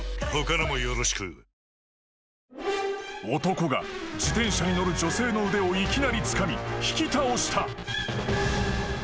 他のもよろしく［男が自転車に乗る女性の腕をいきなりつかみ引き倒した］